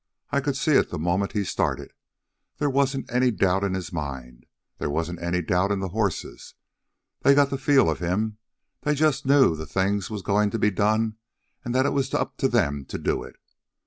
I could see it the moment he started. There wasn't any doubt in his mind. There wasn't any doubt in the horses. They got the feel of him. They just knew the thing was going to be done and that it was up to them to do it.